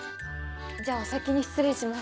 じゃあお先に失礼します。